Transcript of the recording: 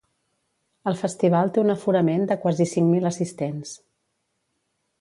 El festival té un aforament de quasi cinc mil assistents.